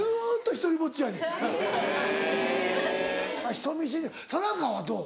人見知り田中はどう？